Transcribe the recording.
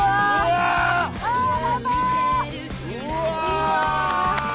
うわ！